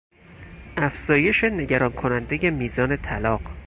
افزایش نگرانکنندهی میزان طلاق